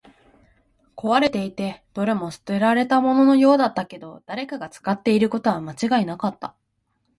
壊れていて、どれも捨てられたもののようだったけど、誰かが使っていることは間違いなかった